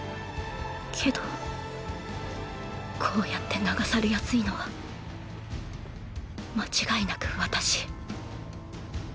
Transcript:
けどこうやって流されやすいのは間違いなく私